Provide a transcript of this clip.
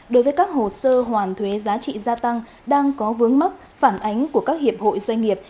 đối với các hồ sơ hoàn thuế giá trị gia tăng đang có vướng mắc phản ánh của các hiệp hội doanh nghiệp